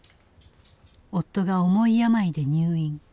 夫が重い病で入院。